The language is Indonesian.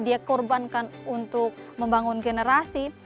dia korbankan untuk membangun generasi